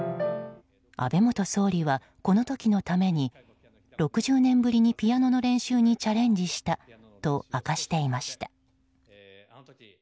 安倍元総理は、この時のために６０年ぶりにピアノの練習にチャレンジしたと明かしていました。